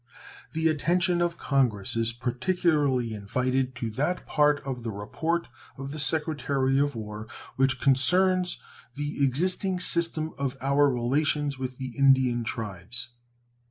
The attention of Congress is particularly invited to that part of the report of the Secretary of War which concerns the existing system of our relations with the Indian tribes.